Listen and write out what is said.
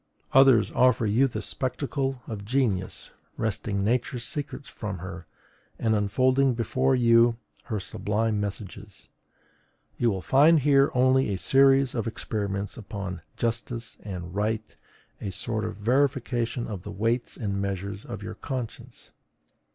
Others offer you the spectacle of genius wresting Nature's secrets from her, and unfolding before you her sublime messages; you will find here only a series of experiments upon JUSTICE and RIGHT a sort of verification of the weights and measures of your conscience.